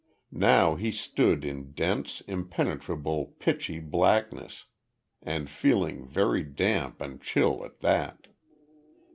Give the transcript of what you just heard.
Now he stood in dense, impenetrable pitchy blackness and feeling very damp and chill at that.